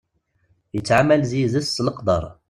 Yettɛamal d yid-s s leqder.